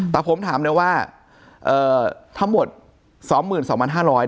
แต่ผมถามเลยว่าทั้งหมด๒๒๕๐๐บาท